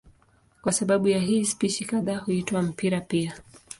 Kwa sababu ya hii spishi kadhaa huitwa mpira pia.